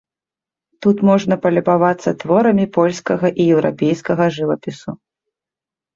Тут можна палюбавацца творамі польскага і еўрапейскага жывапісу.